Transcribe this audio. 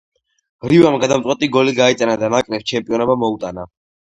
რივამ გადამწყვეტი გოლი გაიტანა და ნაკრებს ჩემპიონობა მოუტანა.